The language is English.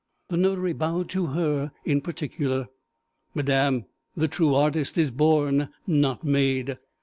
The notary bowed to her in particular. 'Madam, the true artist is born, not made.'